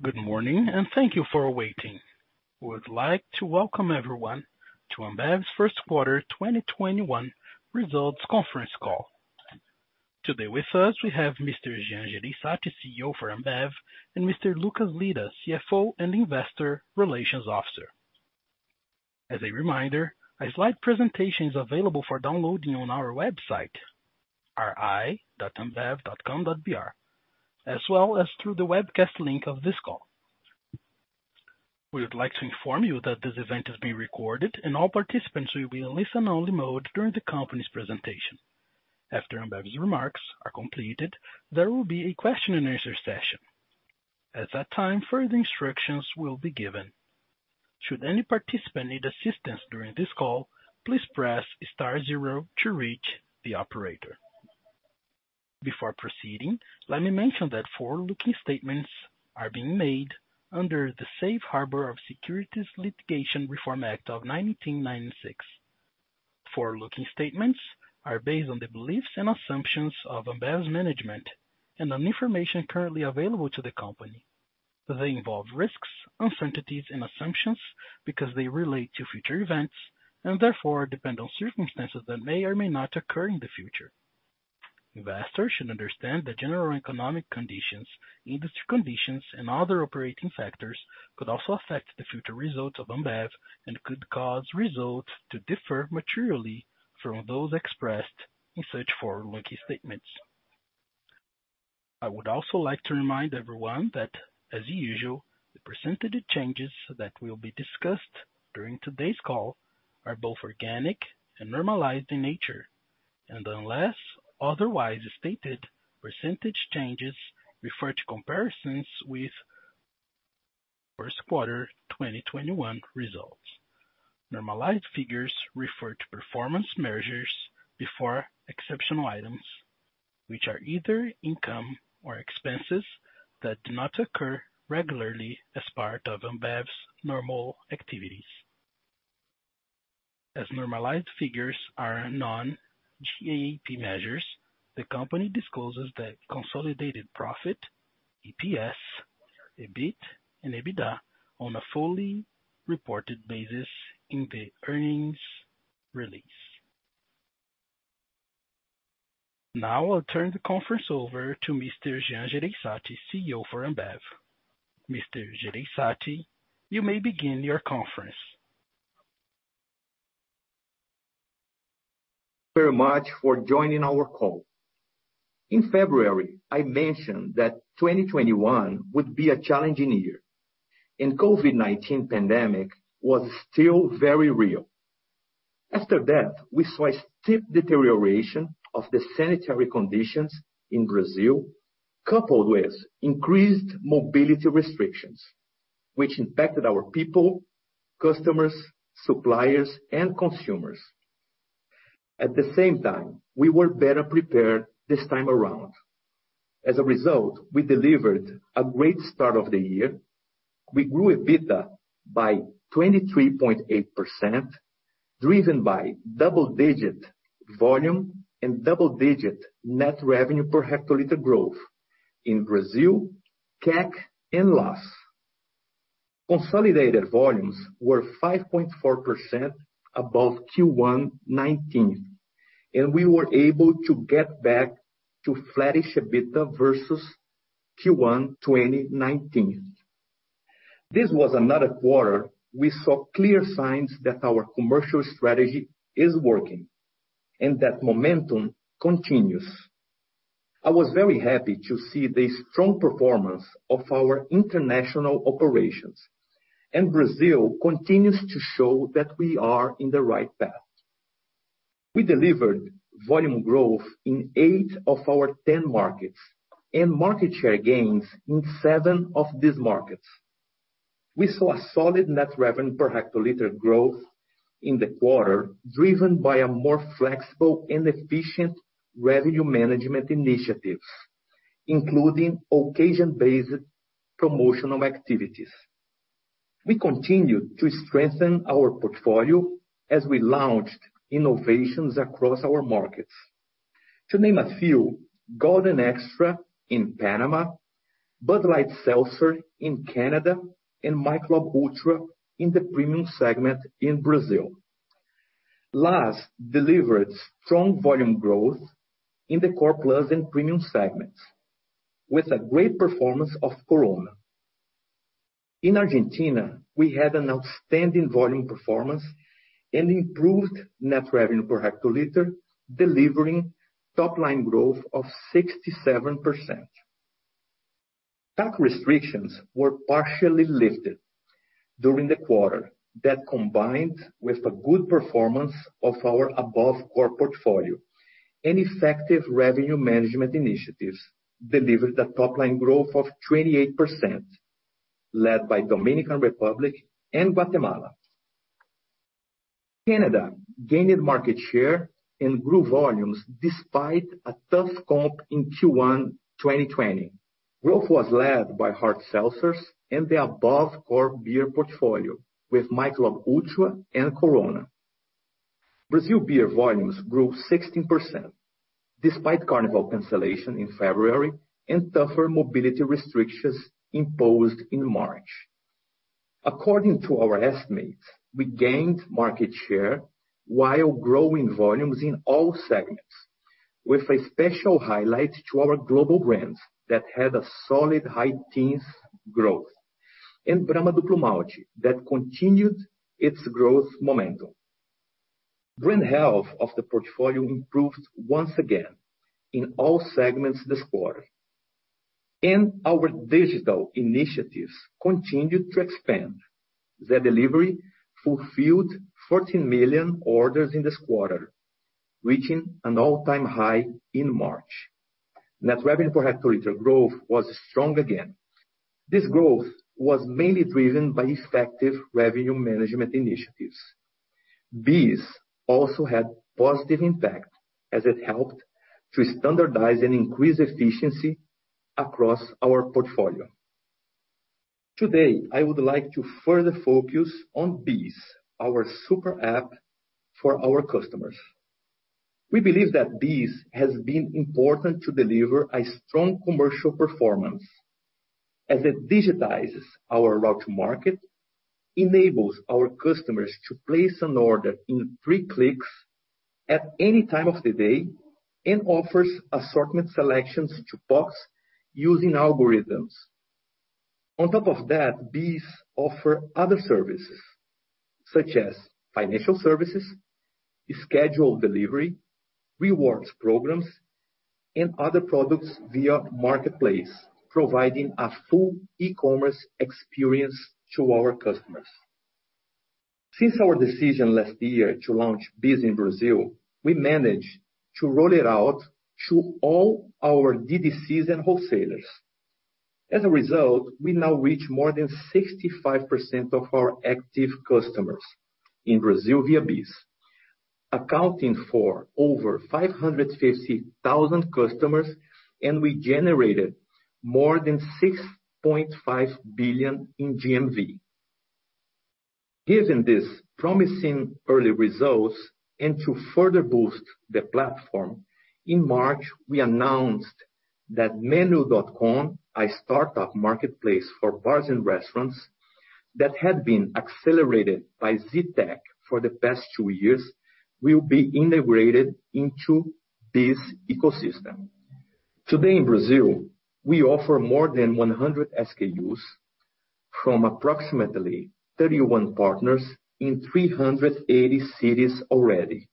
Good morning, and thank you for waiting. We would like to welcome everyone to Ambev's first quarter 2021 results conference call. Today with us, we have Mr. Jean Jereissati, CEO for Ambev, and Mr. Lucas Lira, CFO and Investor Relations Officer. As a reminder, a slide presentation is available for downloading on our website, ri.ambev.com.br, as well as through the webcast link of this call. We would like to inform you that this event is being recorded and all participants will be in listen-only mode during the company's presentation. After Ambev's remarks are completed, there will be a question and answer session. At that time, further instructions will be given. Should any participant need assistance during this call, please press star zero to reach the operator. Before proceeding, let me mention that forward-looking statements are being made under the Safe Harbor of Securities Litigation Reform Act of 1996. Forward-looking statements are based on the beliefs and assumptions of Ambev's management and on information currently available to the company. They involve risks, uncertainties, and assumptions because they relate to future events and therefore depend on circumstances that may or may not occur in the future. Investors should understand that general economic conditions, industry conditions, and other operating factors could also affect the future results of Ambev and could cause results to differ materially from those expressed in such forward-looking statements. I would also like to remind everyone that, as usual, the percentage changes that will be discussed during today's call are both organic and normalized in nature. Unless otherwise stated, percentage changes refer to comparisons with first quarter 2021 results. Normalized figures refer to performance measures before exceptional items, which are either income or expenses that do not occur regularly as part of Ambev's normal activities. As normalized figures are non-GAAP measures, the company discloses the consolidated profit, EPS, EBIT, and EBITDA on a fully reported basis in the earnings release. Now I'll turn the conference over to Mr. Jean Jereissati, CEO for Ambev. Mr. Jereissati, you may begin your conference. Very much for joining our call. In February, I mentioned that 2021 would be a challenging year and COVID-19 pandemic was still very real. After that, we saw a steep deterioration of the sanitary conditions in Brazil, coupled with increased mobility restrictions, which impacted our people, customers, suppliers, and consumers. At the same time, we were better prepared this time around. As a result, we delivered a great start of the year. We grew EBITDA by 23.8%, driven by double-digit volume and double-digit net revenue per hL growth in Brazil, CAC, and LAS. Consolidated volumes were 5.4% above Q1 2019, and we were able to get back to flattish EBITDA versus Q1 2019. This was another quarter we saw clear signs that our commercial strategy is working, and that momentum continues. I was very happy to see the strong performance of our international operations, and Brazil continues to show that we are in the right path. We delivered volume growth in eight of our 10 markets and market share gains in seven of these markets. We saw a solid net revenue per hL growth in the quarter, driven by a more flexible and efficient revenue management initiatives, including occasion-based promotional activities. We continue to strengthen our portfolio as we launched innovations across our markets. To name a few, Golden Extra in Panama, Bud Light Seltzer in Canada, and Michelob ULTRA in the premium segment in Brazil. LAS delivered strong volume growth in the core plus and premium segments with a great performance of Corona. In Argentina, we had an outstanding volume performance and improved net revenue per hL, delivering top-line growth of 67%. CAC restrictions were partially lifted during the quarter. That, combined with a good performance of our above core portfolio and effective revenue management initiatives, delivered a top-line growth of 28%, led by Dominican Republic and Guatemala. Canada gained market share and grew volumes despite a tough comp in Q1 2020. Growth was led by hard seltzers and the above core beer portfolio with Michelob ULTRA and Corona. Brazil beer volumes grew 16%, despite carnival cancellation in February and tougher mobility restrictions imposed in March. According to our estimates, we gained market share while growing volumes in all segments, with a special highlight to our global brands that had a solid high teens growth, and Brahma Duplo Malte that continued its growth momentum. Brand health of the portfolio improved once again in all segments this quarter, and our digital initiatives continued to expand. Zé Delivery fulfilled 14 million orders in this quarter, reaching an all-time high in March. Net revenue per hL growth was strong again. This growth was mainly driven by effective revenue management initiatives. BEES also had positive impact, as it helped to standardize and increase efficiency across our portfolio. Today, I would like to further focus on BEES, our super app for our customers. We believe that BEES has been important to deliver a strong commercial performance, as it digitizes our route to market, enables our customers to place an order in three clicks at any time of the day, and offers assortment selections to box using algorithms. On top of that, BEES offer other services such as financial services, scheduled delivery, rewards programs, and other products via marketplace, providing a full e-commerce experience to our customers. Since our decision last year to launch BEES in Brazil, we managed to roll it out to all our DDCs and wholesalers. As a result, we now reach more than 65% of our active customers in Brazil via BEES, accounting for over 550,000 customers, and we generated more than 6.5 billion in GMV. Given these promising early results, and to further boost the platform, in March, we announced that Menu.com, a startup marketplace for bars and restaurants that had been accelerated by Z-Tech for the past two years, will be integrated into this ecosystem. Today in Brazil, we offer more than 100 SKUs from approximately 31 partners in 380 cities already,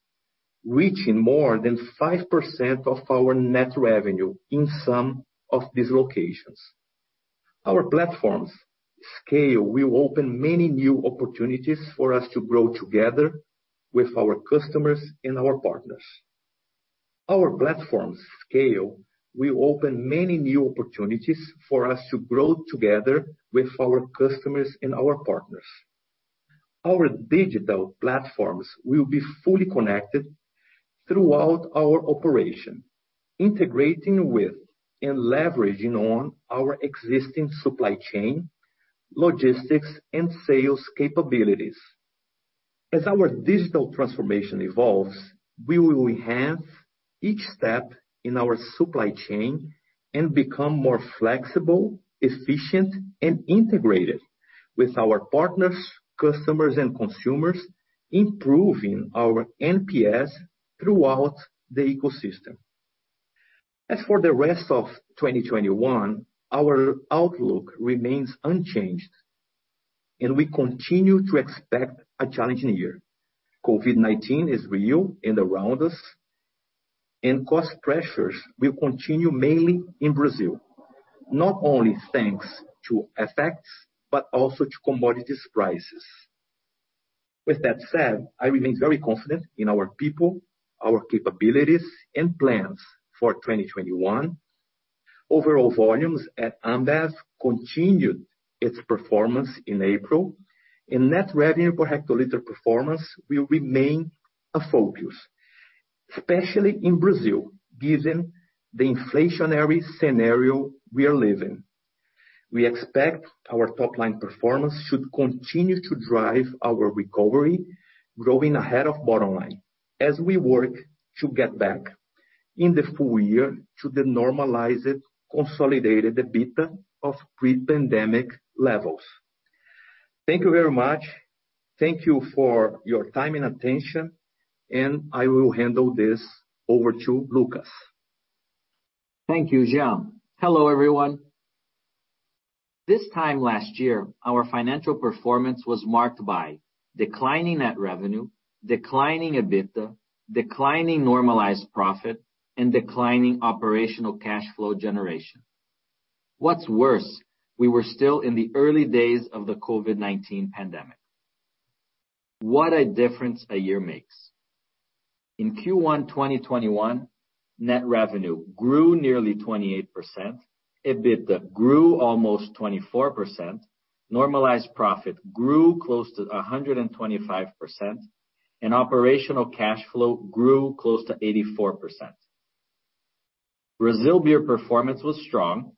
reaching more than 5% of our net revenue in some of these locations. Our platform's scale will open many new opportunities for us to grow together with our customers and our partners. Our digital platforms will be fully connected throughout our operation, integrating with and leveraging on our existing supply chain, logistics, and sales capabilities. As our digital transformation evolves, we will enhance each step in our supply chain and become more flexible, efficient, and integrated with our partners, customers, and consumers, improving our NPS throughout the ecosystem. As for the rest of 2021, our outlook remains unchanged. We continue to expect a challenging year. COVID-19 is real and around us. Cost pressures will continue mainly in Brazil, not only thanks to FX, but also to commodities prices. With that said, I remain very confident in our people, our capabilities, and plans for 2021. Overall volumes at Ambev continued its performance in April. Net revenue per hL performance will remain a focus, especially in Brazil, given the inflationary scenario we are living. We expect our top line performance should continue to drive our recovery, growing ahead of bottom line, as we work to get back in the full year to the normalized, consolidated EBITDA of pre-pandemic levels. Thank you very much. Thank you for your time and attention, and I will handle this over to Lucas. Thank you, Jean. Hello, everyone. This time last year, our financial performance was marked by declining net revenue, declining EBITDA, declining normalized profit, and declining operational cash flow generation. What's worse, we were still in the early days of the COVID-19 pandemic. What a difference a year makes. In Q1 2021, net revenue grew nearly 28%, EBITDA grew almost 24%, normalized profit grew close to 125%, and operational cash flow grew close to 84%. Brazil beer performance was strong,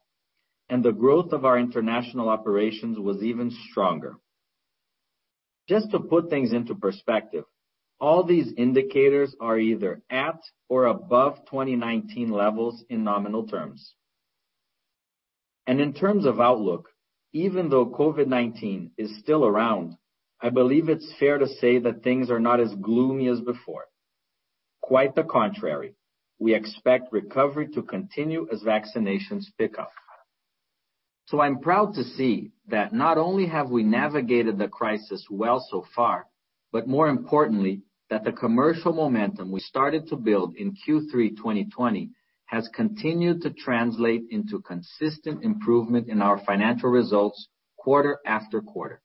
and the growth of our international operations was even stronger. Just to put things into perspective, all these indicators are either at or above 2019 levels in nominal terms. In terms of outlook, even though COVID-19 is still around, I believe it's fair to say that things are not as gloomy as before. Quite the contrary, we expect recovery to continue as vaccinations pick up. I'm proud to see that not only have we navigated the crisis well so far, but more importantly, that the commercial momentum we started to build in Q3 2020 has continued to translate into consistent improvement in our financial results quarter after quarter.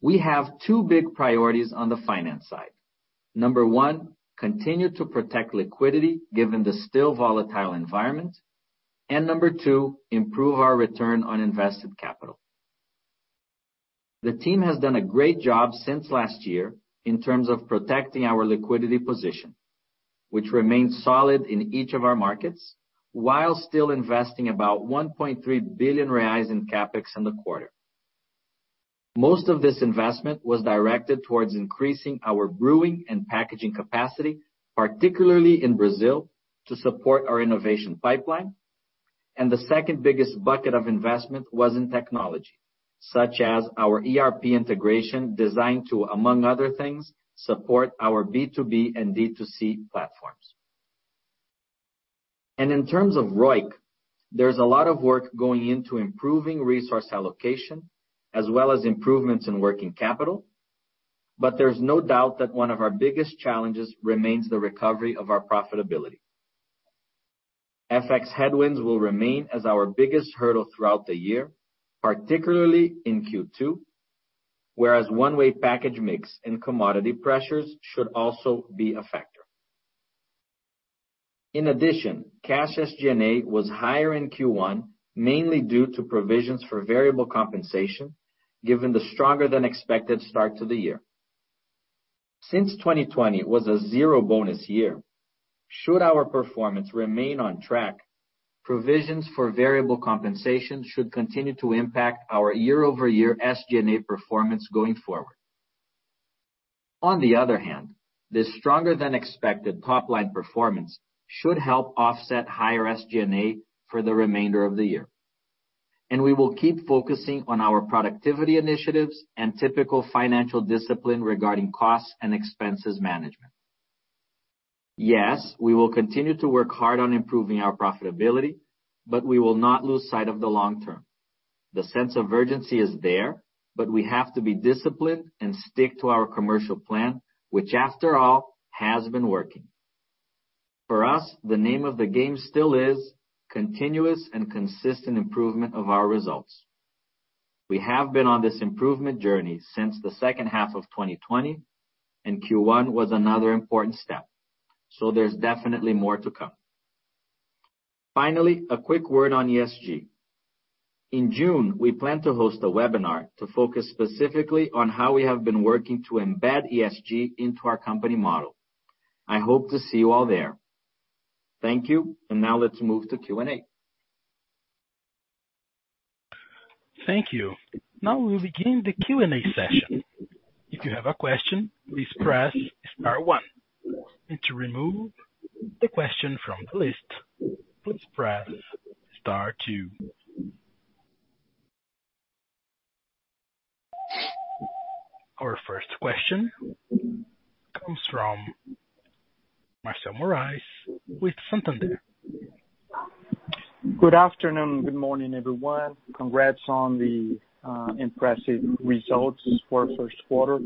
We have two big priorities on the finance side. Number one, continue to protect liquidity given the still volatile environment. Number two, improve our return on invested capital. The team has done a great job since last year in terms of protecting our liquidity position, which remains solid in each of our markets, while still investing about 1.3 billion reais in CapEx in the quarter. Most of this investment was directed towards increasing our brewing and packaging capacity, particularly in Brazil, to support our innovation pipeline. The second biggest bucket of investment was in technology, such as our ERP integration, designed to, among other things, support our B2B and D2C platforms. In terms of ROIC, there's a lot of work going into improving resource allocation as well as improvements in working capital. There's no doubt that one of our biggest challenges remains the recovery of our profitability. FX headwinds will remain as our biggest hurdle throughout the year, particularly in Q2, whereas one-way package mix and commodity pressures should also be a factor. In addition, cash SG&A was higher in Q1, mainly due to provisions for variable compensation, given the stronger than expected start to the year. Since 2020 was a zero bonus year, should our performance remain on track, provisions for variable compensation should continue to impact our year-over-year SG&A performance going forward. On the other hand, this stronger than expected top line performance should help offset higher SG&A for the remainder of the year. We will keep focusing on our productivity initiatives and typical financial discipline regarding costs and expenses management. Yes, we will continue to work hard on improving our profitability, but we will not lose sight of the long term. The sense of urgency is there, but we have to be disciplined and stick to our commercial plan, which, after all, has been working. For us, the name of the game still is continuous and consistent improvement of our results. We have been on this improvement journey since the second half of 2020, and Q1 was another important step. There's definitely more to come. Finally, a quick word on ESG. In June, we plan to host a webinar to focus specifically on how we have been working to embed ESG into our company model. I hope to see you all there. Thank you. Now let's move to Q&A. Thank you. Now we will begin the Q&A session. If you have a question, please press star one. To remove the question from the list, please press star two. Our first question comes from Marcel Moraes with Santander. Good afternoon. Good morning, everyone. Congrats on the impressive results for first quarter.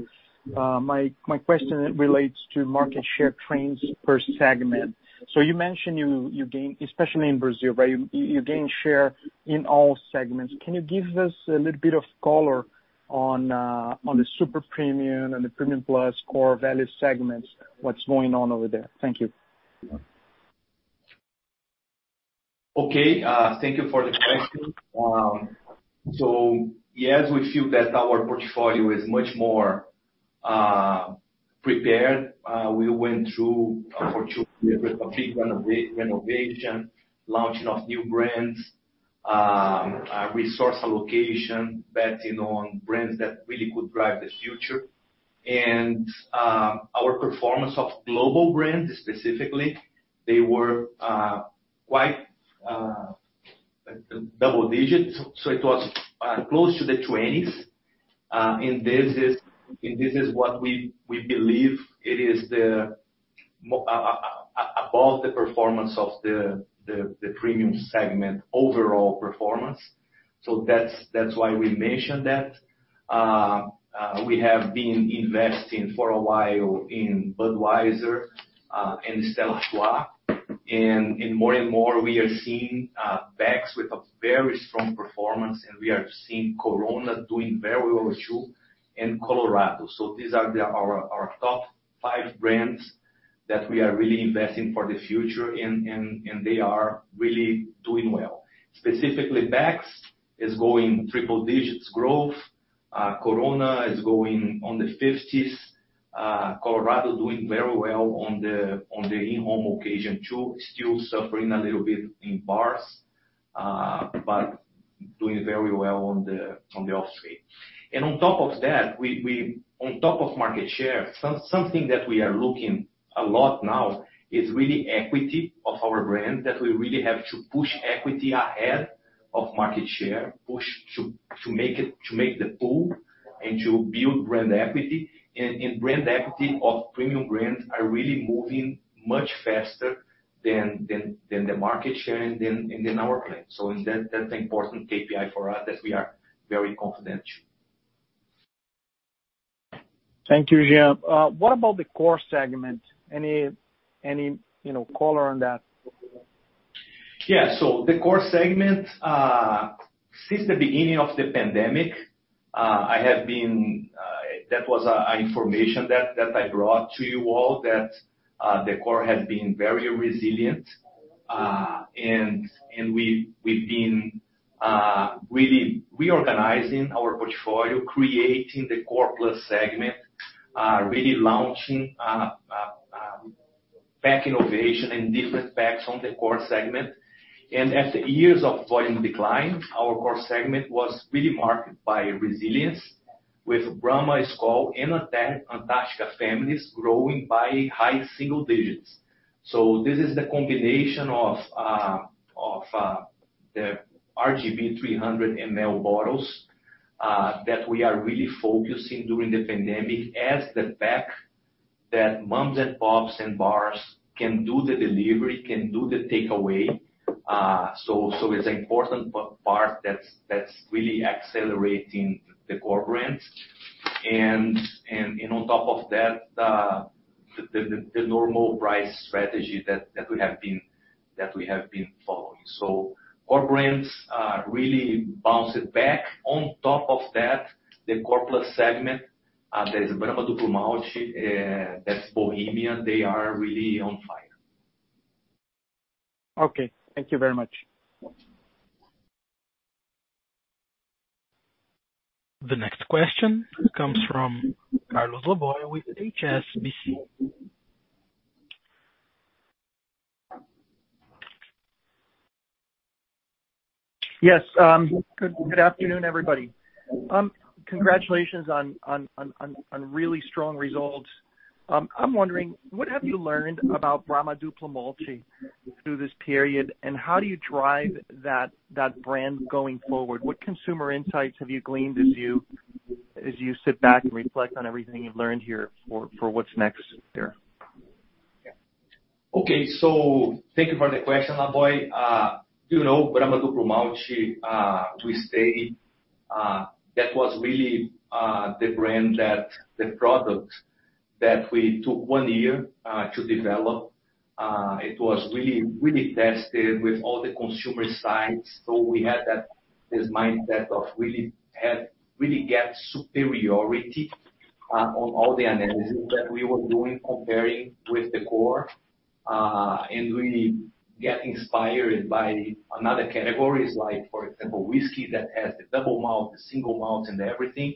My question relates to market share trends per segment. You mentioned you gained, especially in Brazil, right? You gained share in all segments. Can you give us a little bit of color on the super premium and the premium plus core value segments? What's going on over there? Thank you. Okay. Thank you for the question. Yes, we feel that our portfolio is much more prepared. We went through a portfolio with a big renovation, launching of new brands, resource allocation, betting on brands that really could drive the future. Our performance of global brands specifically, they were quite double digits. It was close to the 20s. This is what we believe it is above the performance of the premium segment overall performance. That's why we mentioned that. We have been investing for a while in Budweiser and Stella Artois, and more and more, we are seeing Beck's with a very strong performance, and we are seeing Corona doing very well, too, and Colorado. These are our top five brands that we are really investing for the future, and they are really doing well. Specifically, Beck's is going triple digits growth. Corona is going on the 50s. Colorado doing very well on the in-home occasion too. Still suffering a little bit in bars, doing very well on the off-street. On top of market share, something that we are looking at a lot now is really equity of our brand, that we really have to push equity ahead of market share, push to make the pool and to build brand equity. Brand equity of premium brands are really moving much faster than the market share and than our plan. That's an important KPI for us that we are very confident. Thank you, Jean. What about the core segment? Any color on that? The core segment, since the beginning of the pandemic, that was information that I brought to you all, that the core had been very resilient. We've been really reorganizing our portfolio, creating the core plus segment, really launching pack innovation and different packs on the core segment. After years of volume decline, our core segment was really marked by resilience with Brahma, Skol, and Antarctica families growing by high single digits. This is the combination of the RGB 300 ml bottles, that we are really focusing during the pandemic as the pack that moms and pops and bars can do the delivery, can do the takeaway. It's an important part that's really accelerating the core brands. On top of that, the normal price strategy that we have been following. Core brands really bounced back. On top of that, the core plus segment, there's Brahma Duplo Malte, that's Bohemia, they are really on fire. Okay. Thank you very much. The next question comes from Carlos Laboy with HSBC. Yes. Good afternoon, everybody. Congratulations on really strong results. I'm wondering, what have you learned about Brahma Duplo Malte through this period, and how do you drive that brand going forward? What consumer insights have you gleaned as you sit back and reflect on everything you've learned here for what's next here? Okay. Thank you for the question, Laboy. Brahma Duplo Malte, we say that was really the brand that the product that we took one year to develop. It was really tested with all the consumer sides. We had this mindset of really get superiority on all the analysis that we were doing, comparing with the core, and really get inspired by other categories like, for example, whiskey, that has the double malt, the single malt and everything.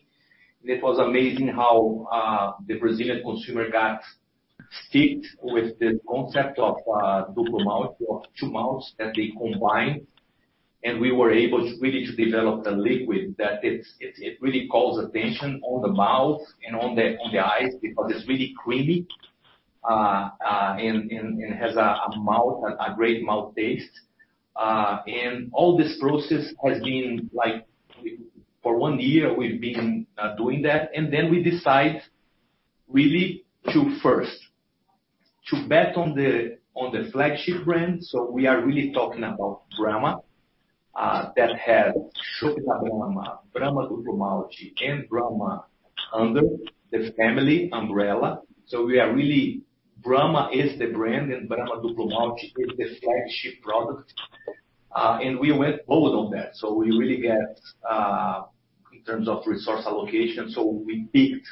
It was amazing how the Brazilian consumer got steeped with the concept of Duplo Malte, or two malts that they combined. We were able really to develop the liquid that it really calls attention on the mouth and on the eyes because it's really creamy, and has a great mouth taste. All this process has been, for one year, we've been doing that, then we decide really to first to bet on the flagship brand. We are really talking about Brahma, that had Chopp Brahma Duplo Malte, and Brahma under the family umbrella. Brahma is the brand, and Brahma Duplo Malte is the flagship product. We went bold on that. We really get, in terms of resource allocation, we picked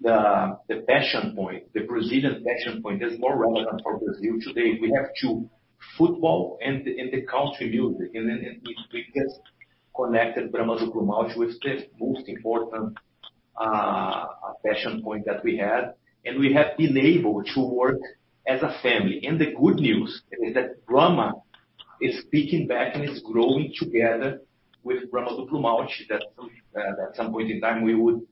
the passion point, the Brazilian passion point that's more relevant for Brazil today. We have two, football and the country music, and we get connected Brahma Duplo Malte with the most important passion point that we had. We have been able to work as a family. The good news is that Brahma is peaking back and it's growing together with Brahma Duplo Malte, that at some point in time, we would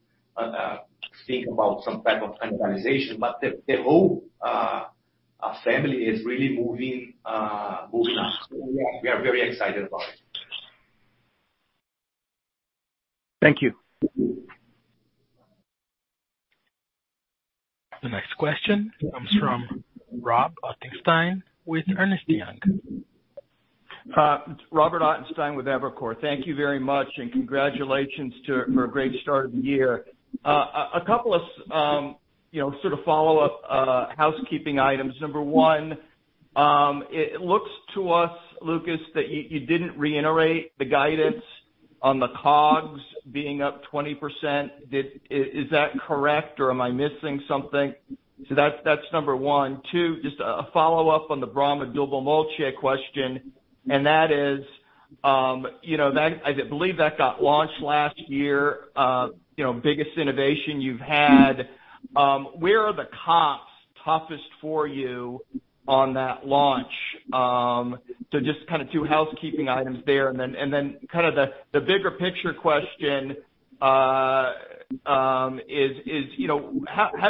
think about some type of cannibalization. The whole family is really moving up. We are very excited about it. Thank you. The next question comes from Rob Ottenstein with Evercore. It's Robert Ottenstein with Evercore. Thank you very much, and congratulations for a great start of the year. A couple of sort of follow-up housekeeping items. Number one, it looks to us, Lucas, that you didn't reiterate the guidance on the COGS being up 20%. Is that correct or am I missing something? That's number one. Two, just a follow-up on the Brahma Duplo Malte question, and that is, I believe that got launched last year, biggest innovation you've had. Where are the comps toughest for you on that launch? Just kind of two housekeeping items there, and then kind of the bigger picture question is how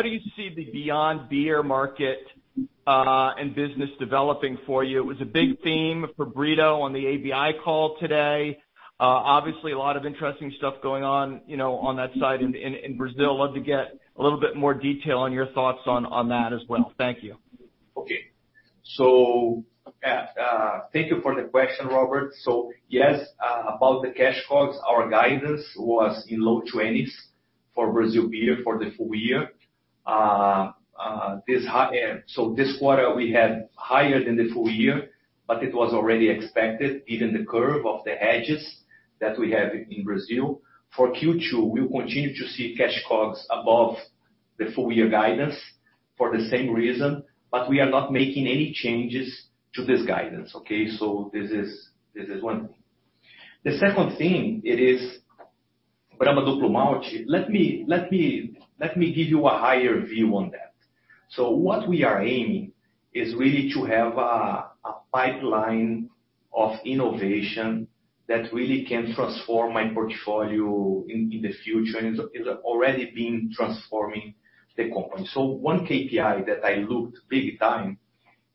do you see the beyond beer market and business developing for you? It was a big theme for Brito on the ABI call today. Obviously, a lot of interesting stuff going on that side in Brazil. Love to get a little bit more detail on your thoughts on that as well. Thank you. Okay. Thank you for the question, Robert. Yes, about the cash COGS, our guidance was in low 20s for Brazil beer for the full year. This quarter, we had higher than the full year, but it was already expected given the curve of the hedges that we have in Brazil. For Q2, we will continue to see cash COGS above the full year guidance for the same reason, but we are not making any changes to this guidance. Okay, this is one. The second thing, it is Brahma Duplo Malte. Let me give you a higher view on that. What we are aiming is really to have a pipeline of innovation that really can transform my portfolio in the future and is already been transforming the company. One KPI that I looked big time,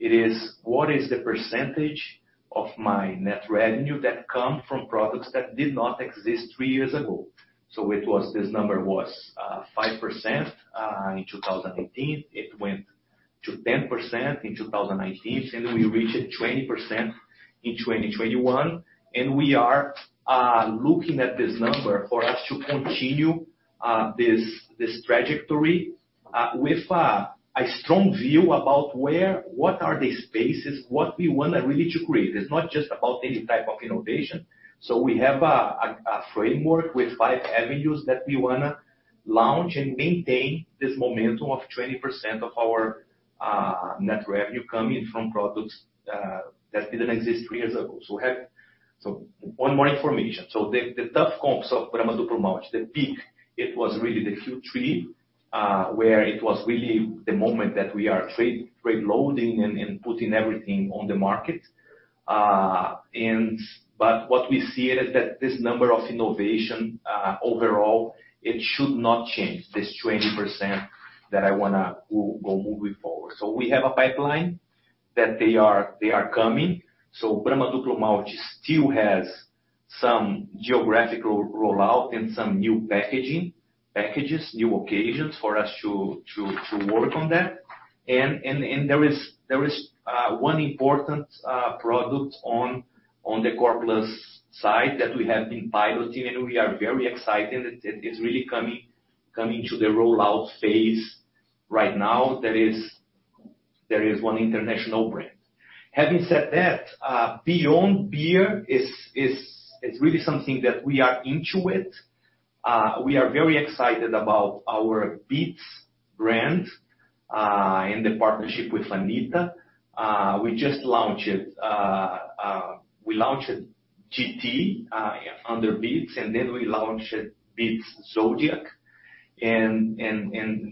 it is what is the percentage of my net revenue that come from products that did not exist three years ago? This number was 5% in 2018. It went to 10% in 2019, and we reached 20% in 2021, and we are looking at this number for us to continue this trajectory with a strong view about what are the spaces, what we want really to create. It is not just about any type of innovation. We have a framework with five avenues that we want to launch and maintain this momentum of 20% of our net revenue coming from products that did not exist three years ago. One more information. The tough comps of Brahma Duplo Malte, the peak, it was really the Q3, where it was really the moment that we are trade loading and putting everything on the market. What we see is that this number of innovation, overall, it should not change this 20% that I want to go moving forward. We have a pipeline that they are coming. Brahma Duplo Malte still has some geographical rollout and some new packages, new occasions for us to work on that. There is one important product on the core plus side that we have been piloting, and we are very excited. It is really coming to the rollout phase right now. That is one international brand. Having said that, beyond beer is really something that we are into it. We are very excited about our Beats brand, and the partnership with Anitta. We just launched it. We launched GT under Beats, and then we launched Beats Zodiac, and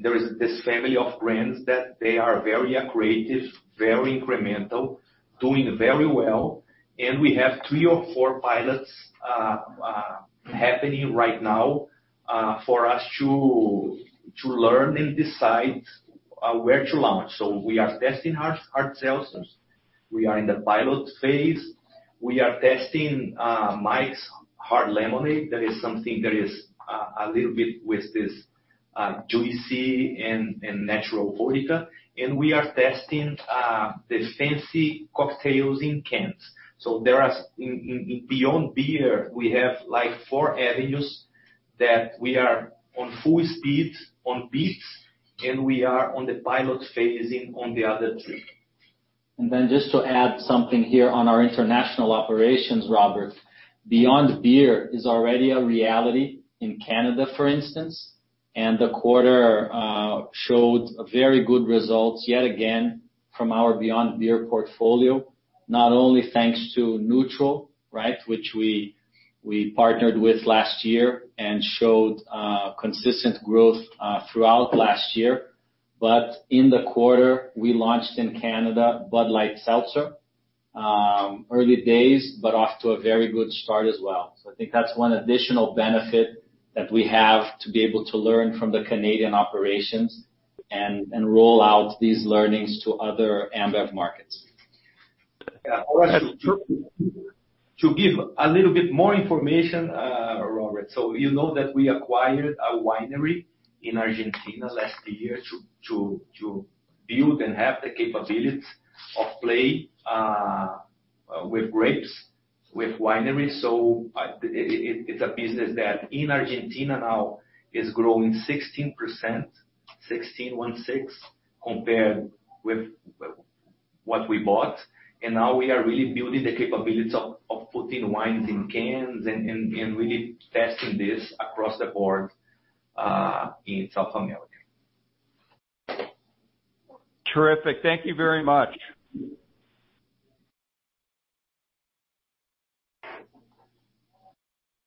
there is this family of brands that they are very creative, very incremental, doing very well. We have three or four pilots happening right now, for us to learn and decide where to launch. We are testing hard seltzers. We are in the pilot phase. We are testing Mike's Hard Lemonade. That is something that is a little bit with this juicy and natural vodka, and we are testing the fancy cocktails in cans. In beyond beer, we have four avenues that we are on full speed on Beats, and we are on the pilot phasing on the other three. Just to add something here on our international operations, Robert. Beyond beer is already a reality in Canada, for instance, and the quarter showed very good results yet again from our beyond beer portfolio. Not only thanks to Nütrl, which we partnered with last year and showed consistent growth throughout last year, but in the quarter, we launched in Canada, Bud Light Seltzer. Early days, but off to a very good start as well. I think that's one additional benefit that we have to be able to learn from the Canadian operations and roll out these learnings to other Ambev markets. Yeah. To give a little bit more information, Robert, you know that we acquired a winery in Argentina last year to build and have the capabilities of play with grapes, with winery. It's a business that in Argentina now is growing 16%, 16.16%, compared with what we bought. Now we are really building the capabilities of putting wines in cans and really testing this across the board in South America. Terrific. Thank you very much.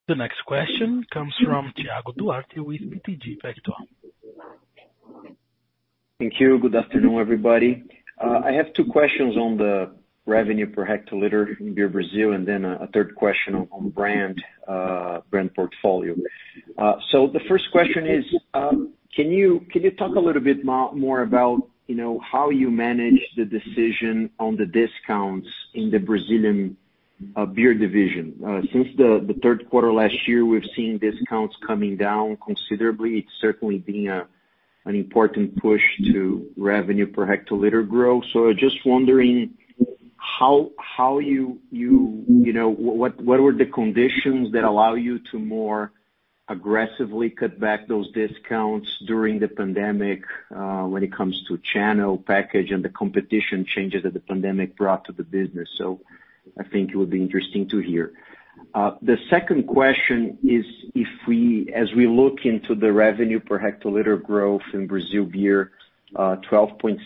The next question comes from Thiago Duarte with BTG Pactual. Thank you. Good afternoon, everybody. I have two questions on the revenue per hL in beer Brazil, and then a third question on brand portfolio. The first question is, can you talk a little bit more about how you manage the decision on the discounts in the Brazilian beer division? Since the third quarter last year, we've seen discounts coming down considerably. It's certainly been an important push to revenue per hL growth. Just wondering, what were the conditions that allow you to more aggressively cut back those discounts during the pandemic, when it comes to channel package and the competition changes that the pandemic brought to the business? I think it would be interesting to hear. The second question is, as we look into the net revenue per hL growth in Brazil beer, 12.6%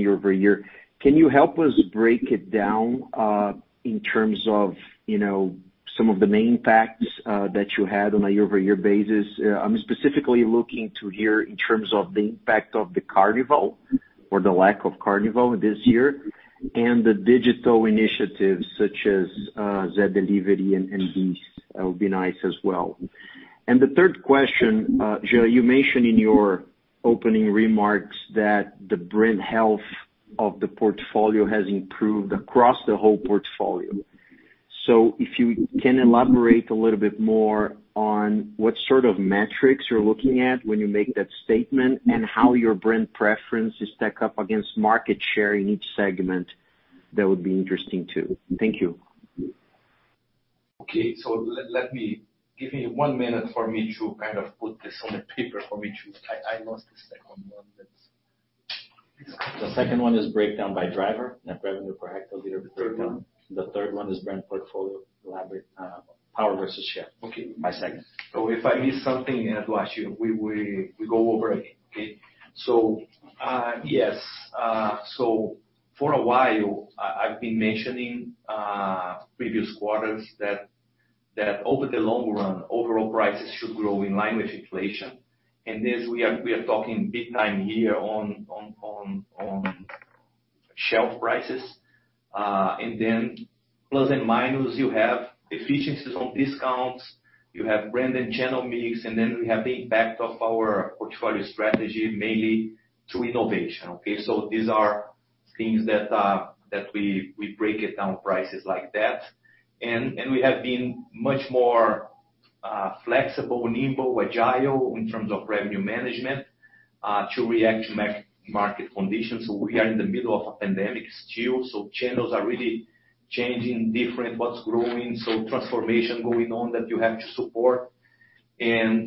year-over-year, can you help us break it down in terms of some of the main impacts that you had on a year-over-year basis? I'm specifically looking to hear in terms of the impact of the Carnival, or the lack of Carnival this year, and the digital initiatives such as Zé Delivery and BEES, that would be nice as well. The third question, Jean, you mentioned in your opening remarks that the brand health of the portfolio has improved across the whole portfolio. If you can elaborate a little bit more on what sort of metrics you're looking at when you make that statement, and how your brand preferences stack up against market share in each segment, that would be interesting, too. Thank you. Okay. Give me one minute for me to kind of put this on a paper. The second one is breakdown by driver, net revenue per hL breakdown. Third one. The third one is brand portfolio, elaborate power versus share. Okay. By segment. If I miss something, Eduardo, we go over again. Okay? Yes. For a while, I've been mentioning previous quarters that over the long run, overall prices should grow in line with inflation. This, we are talking big time here on shelf prices. Plus and minus, you have efficiencies on discounts, you have brand and channel mix, then we have the impact of our portfolio strategy, mainly through innovation. Okay, these are things that we break it down prices like that. We have been much more flexible, nimble, agile in terms of revenue management, to react to market conditions. We are in the middle of a pandemic still, so channels are really changing, different, what's growing. Transformation going on that you have to support. We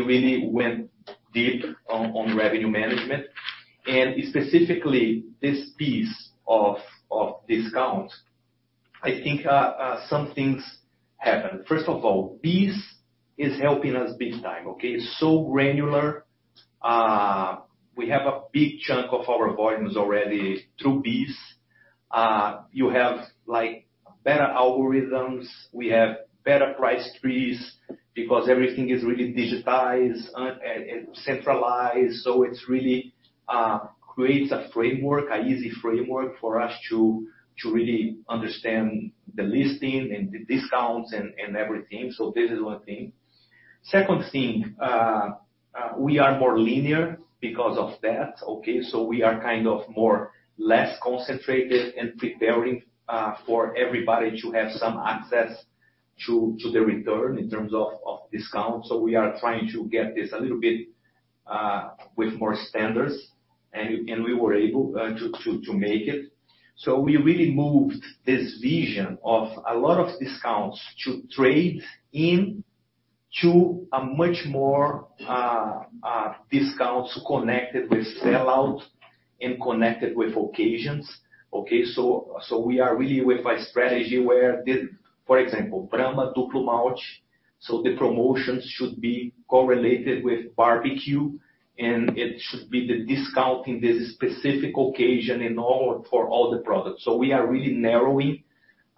really went deep on revenue management and specifically this piece of discounts, I think some things happened. First of all, BEES is helping us big time. Okay. It's so granular. We have a big chunk of our volumes already through BEES. You have better algorithms. We have better price trees because everything is really digitized and centralized. It really creates a framework, a easy framework for us to really understand the listing and the discounts and everything. This is one thing. Second thing, we are more linear because of that. Okay. We are kind of more less concentrated and preparing for everybody to have some access to the return in terms of discount. We are trying to get this a little bit with more standards and we were able to make it. We really moved this vision of a lot of discounts to trade in to a much more discounts connected with sellout and connected with occasions. We are really with a strategy where, for example, Brahma Duplo Malte, the promotions should be correlated with barbecue, and it should be the discount in this specific occasion and for all the products. We are really narrowing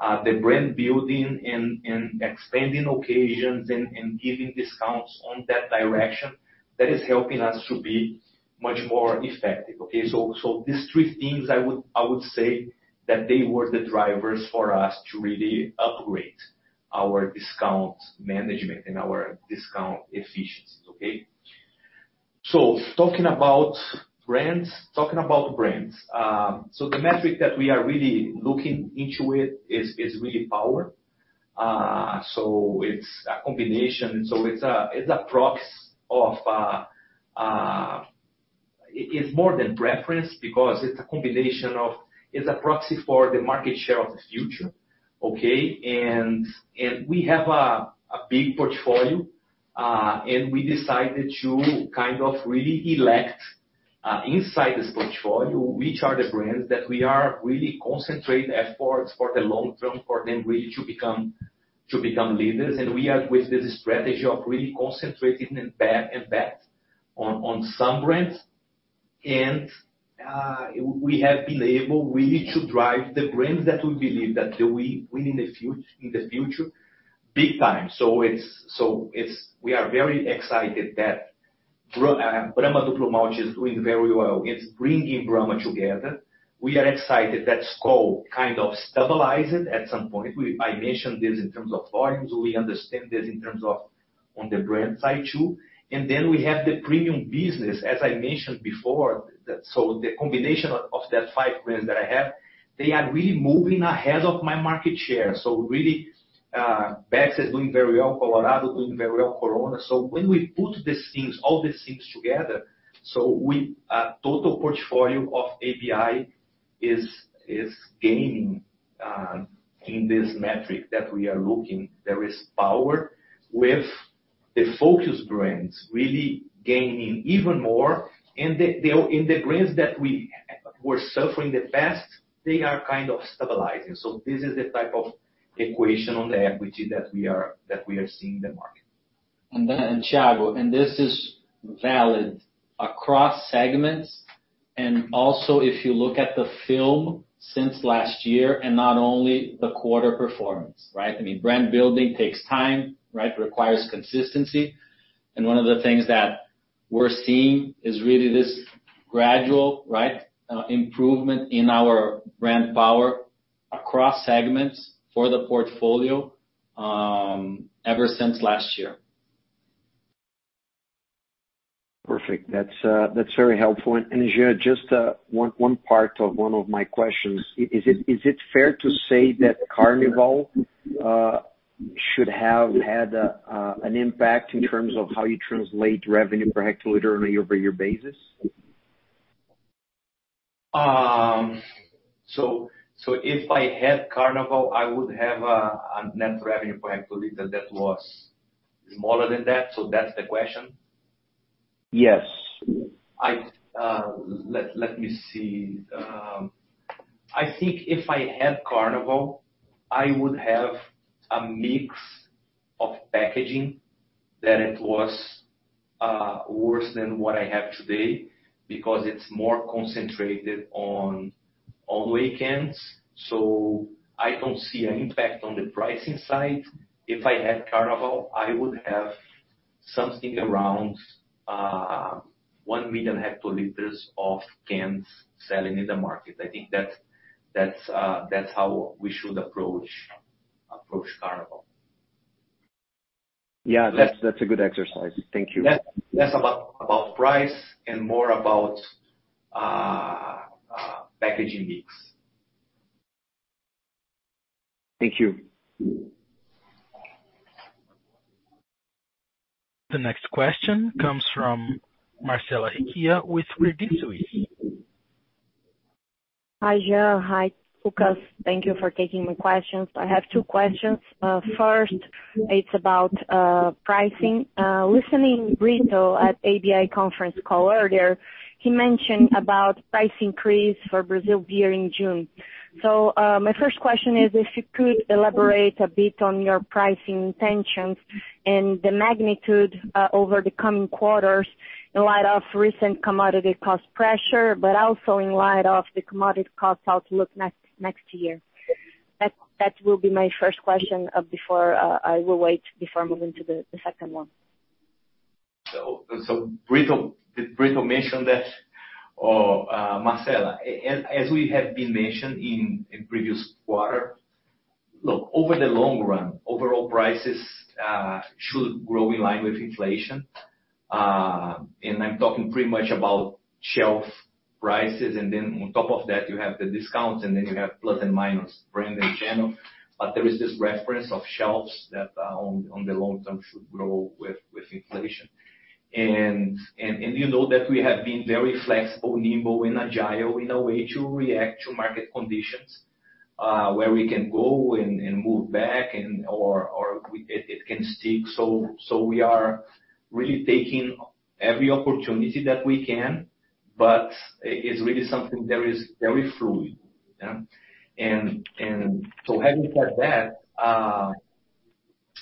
the brand building and expanding occasions and giving discounts on that direction that is helping us to be much more effective. These three things I would say that they were the drivers for us to really upgrade our discount management and our discount efficiencies. Okay? Talking about brands. The metric that we are really looking into it is really power. It's a combination. It's a proxy of It's more than preference because it's a combination of, it's a proxy for the market share of the future, okay? We have a big portfolio, and we decided to kind of really elect, inside this portfolio, which are the brands that we are really concentrate efforts for the long term for them really to become leaders. We are with this strategy of really concentrating and bet on some brands. We have been able really to drive the brands that we believe that will win in the future, big time. We are very excited that Brahma Duplo Malte is doing very well. It's bringing Brahma together. We are excited that Skol kind of stabilizing at some point. I mentioned this in terms of volumes. We understand this in terms of on the brand side, too. We have the premium business, as I mentioned before. The combination of that five brands that I have, they are really moving ahead of my market share. Really, Beck's is doing very well, Colorado doing very well, Corona. When we put all these things together, total portfolio of ABI is gaining in this metric that we are looking. There is power with the focus brands really gaining even more. The brands that were suffering the best, they are kind of stabilizing. This is the type of equation on the equity that we are seeing in the market. Thiago, this is valid across segments, also if you look at the firm since last year and not only the quarter performance. Brand building takes time. Requires consistency. One of the things that we're seeing is really this gradual improvement in our brand power across segments for the portfolio ever since last year. Perfect. That's very helpful. Jean, just one part of one of my questions. Is it fair to say that Carnival should have had an impact in terms of how you translate net revenue per hL on a year-over-year basis? If I had Carnival, I would have a net revenue per hL that was smaller than that. That's the question? Yes. Let me see. I think if I had Carnival, I would have a mix of packaging that it was worse than what I have today because it's more concentrated on weekends. I don't see an impact on the pricing side. If I had Carnival, I would have something around 1 million hL of cans selling in the market. I think that's how we should approach Carnival. Yeah, that's a good exercise. Thank you. Less about price and more about packaging mix. Thank you. The next question comes from Marcella Recchia with Credit Suisse. Hi, Jean. Hi, Lucas. Thank you for taking my questions. I have two questions. First, it's about pricing. Listening Brito at ABI conference call earlier, he mentioned about price increase for Brazil beer in June. My first question is if you could elaborate a bit on your pricing intentions and the magnitude over the coming quarters in light of recent commodity cost pressure, but also in light of the commodity cost outlook next year. That will be my first question before I will wait before moving to the second one. Did Brito mention that? Marcella, as we have been mentioned in previous quarter, look, over the long run, overall prices should grow in line with inflation. I'm talking pretty much about shelf prices, and then on top of that, you have the discounts, and then you have plus and minus brand and channel. There is this reference of shelves that on the long term should grow with inflation. You know that we have been very flexible, nimble, and agile in a way to react to market conditions, where we can go and move back or it can stick. We are really taking every opportunity that we can, but it's really something that is very fluid. Having said that,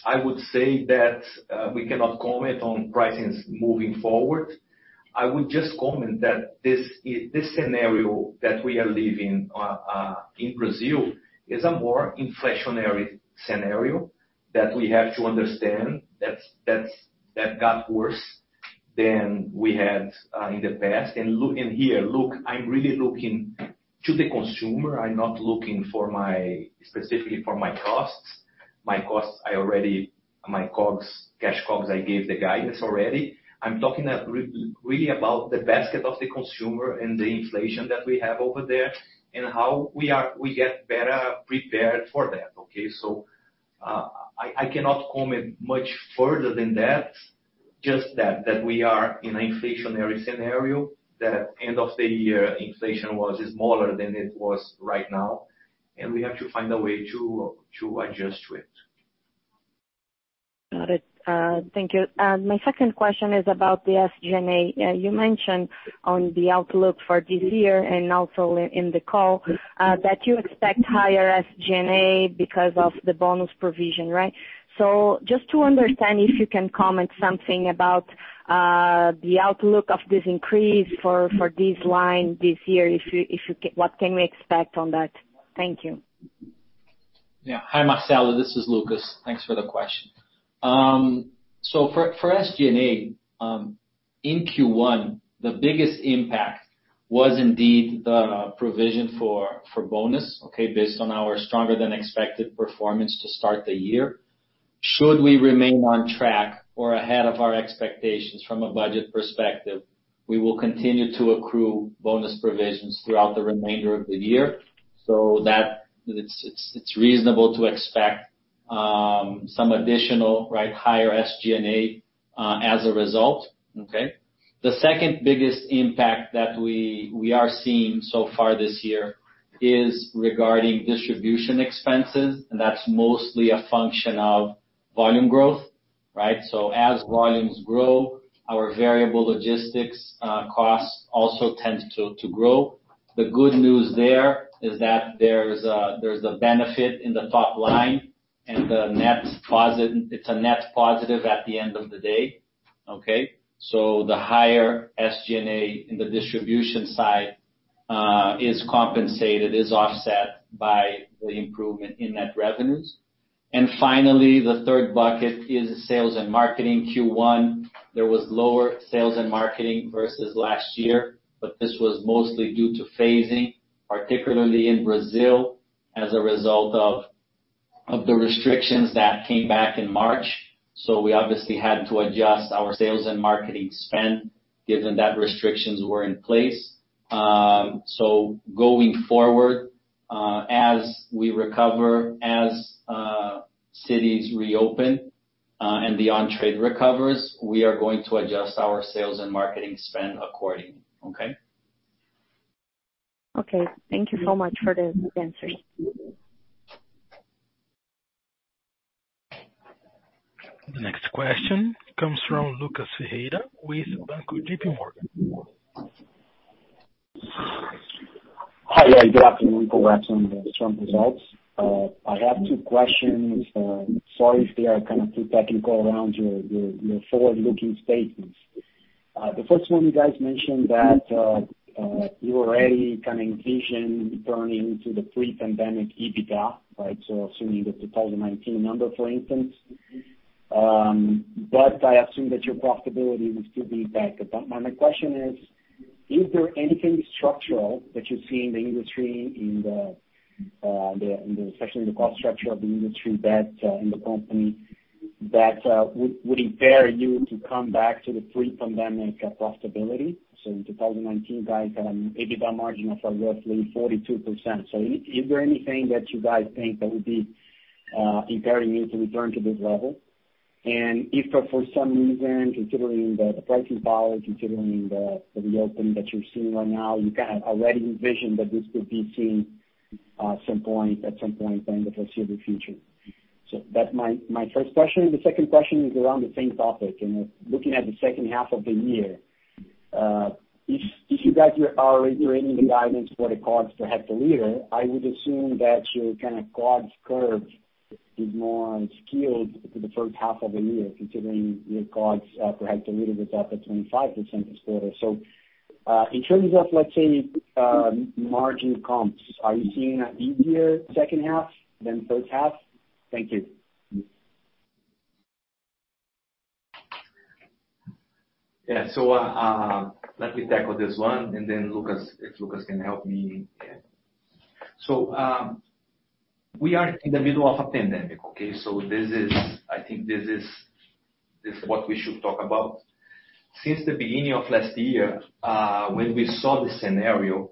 I would say that we cannot comment on pricings moving forward. I would just comment that this scenario that we are living in Brazil is a more inflationary scenario that we have to understand that got worse than we had in the past. Here, look, I'm really looking to the consumer. I'm not looking specifically for my costs. My costs, I already my cash COGS, I gave the guidance already. I'm talking really about the basket of the consumer and the inflation that we have over there, and how we get better prepared for that, okay? I cannot comment much further than that. Just that we are in an inflationary scenario, that at end of the year, inflation was smaller than it was right now, and we have to find a way to adjust to it. Got it. Thank you. My second question is about the SG&A. You mentioned on the outlook for this year and also in the call, that you expect higher SG&A because of the bonus provision, right? Just to understand, if you can comment something about the outlook of this increase for this line this year, what can we expect on that? Thank you. Yeah. Hi, Marcelo. This is Lucas. Thanks for the question. For SG&A, in Q1, the biggest impact was indeed the provision for bonus, okay? Based on our stronger than expected performance to start the year. Should we remain on track or ahead of our expectations from a budget perspective, we will continue to accrue bonus provisions throughout the remainder of the year. It's reasonable to expect some additional higher SG&A, as a result. Okay. The second biggest impact that we are seeing so far this year is regarding distribution expenses, and that's mostly a function of volume growth, right? As volumes grow, our variable logistics costs also tend to grow. The good news there is that there's a benefit in the top line and it's a net positive at the end of the day. Okay. The higher SG&A in the distribution side is compensated, is offset by the improvement in net revenues. Finally, the third bucket is sales and marketing Q1. There was lower sales and marketing versus last year, but this was mostly due to phasing, particularly in Brazil as a result of the restrictions that came back in March. We obviously had to adjust our sales and marketing spend given that restrictions were in place. Going forward, as we recover, as cities reopen, and the on-trade recovers, we are going to adjust our sales and marketing spend accordingly. Okay? Okay. Thank you so much for the answers. The next question comes from Lucas Ferreira with JPMorgan. Hi. Good afternoon. Congrats on the strong results. I have two questions. Sorry if they are kind of too technical around your forward-looking statements. The first one, you guys mentioned that you already kind of envision returning to the pre-pandemic EBITDA, right? Assuming that the 2019 number, for instance. I assume that your profitability would still be back. My question is there anything structural that you see in the industry, especially in the cost structure of the industry that, in the company, that would impair you to come back to the pre-pandemic profitability? In 2019, guys had an EBITDA margin of roughly 42%. Is there anything that you guys think that would be impairing you to return to this level? If for some reason, considering the pricing power, considering the reopening that you're seeing right now, you kind of already envision that this could be seen at some point in the foreseeable future. That's my first question. The second question is around the same topic, looking at the second half of the year. If you guys are reiterating the guidance for the COGS per hL, I would assume that your kind of COGS curve is more skewed to the first half of the year, considering your COGS per hL was up at 25% this quarter. In terms of, let's say, margin comps, are you seeing an easier second half than first half? Thank you. Yeah. Let me tackle this one and then if Lucas can help me. We are in the middle of a pandemic. Okay? I think this is what we should talk about. Since the beginning of last year, when we saw the scenario